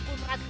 lu marah mu